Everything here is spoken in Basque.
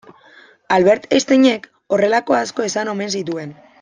Albert Einsteinek horrelako asko esan omen zituen.